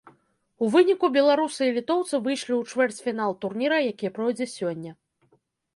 У выніку, беларусы і літоўцы выйшлі ў чвэрцьфінал турніра, які пройдзе сёння.